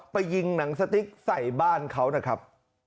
ไปยิงหนังสติ๊กใส่บ้านเขานะครับ